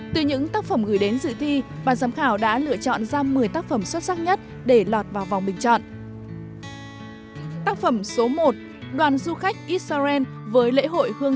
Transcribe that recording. từ những tác phẩm gửi đến dự thi bàn giám khảo đã lựa chọn ra một mươi tác phẩm xuất sắc nhất để lọt vào vòng bình chọn